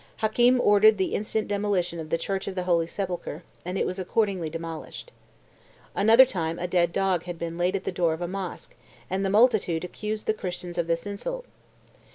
Hakem ordered the instant demolition of the church of the Holy Sepulchre, and it was accordingly demolished. Another time a dead dog had been laid at the door of a mosque; and the multitude accused the Christians of this insult.